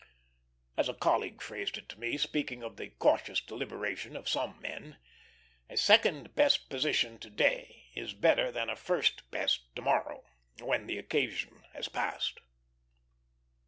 As a colleague phrased it to me, speaking of the cautious deliberation of some men, "A second best position to day is better than a first best to morrow, when the occasion has passed."